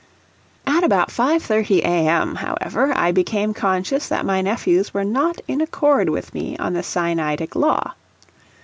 At about 5.30 A. M., however, I became conscious that my nephews were not in accord, with me on the Sinaitic law.